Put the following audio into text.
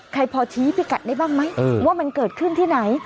พอชี้พิกัดได้บ้างไหมว่ามันเกิดขึ้นที่ไหน